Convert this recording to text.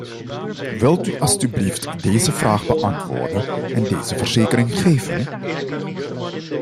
Wilt u alstublieft deze vraag beantwoorden en deze verzekering geven?